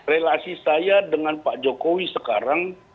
relasi saya dengan pak jokowi sekarang